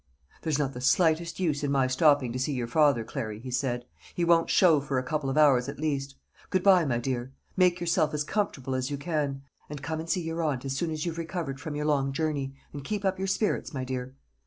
"There's not the slightest use in my stopping to see your father, Clary," he said; "he won't show for a couple of hours at least. Good bye, my dear; make yourself as comfortable as you can. And come and see your aunt as soon as you've recovered from your long journey, and keep up your spirits, my dear.